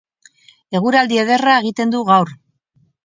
Eguraldi ederra egiten du gaur.